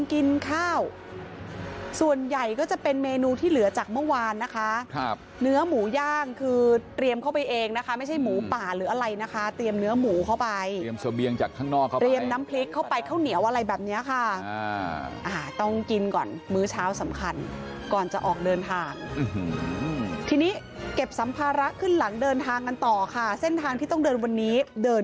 กินข้าวส่วนใหญ่ก็จะเป็นเมนูที่เหลือจากเมื่อวานนะคะครับเนื้อหมูย่างคือเตรียมเข้าไปเองนะคะไม่ใช่หมูป่าหรืออะไรนะคะเตรียมเนื้อหมูเข้าไปเตรียมเสบียงจากข้างนอกเข้าไปเตรียมน้ำพริกเข้าไปข้าวเหนียวอะไรแบบนี้ค่ะต้องกินก่อนมื้อเช้าสำคัญก่อนจะออกเดินทางทีนี้เก็บสัมภาระขึ้นหลังเดินทางกันต่อค่ะเส้นทางที่ต้องเดินวันนี้เดิน